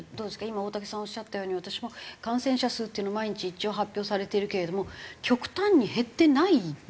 今大竹さんがおっしゃったように私も感染者数っていうのは毎日一応発表されてるけれども極端に減ってないですよね。